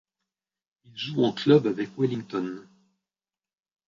Il joue en club avec Wellington.